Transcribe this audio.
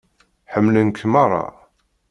Ḥemmlen-k meṛṛa.